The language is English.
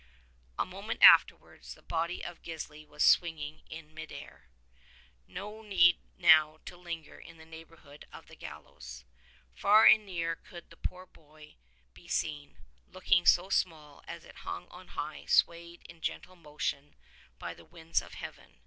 y 55 A moment afterwards, the body of Gisli was swinging in mid air. No need now to linger in the neighborhood of the gallows. Far and near could the poor body be seen, looking so small as it hung on high, swayed into gentle motion by the winds of heaven.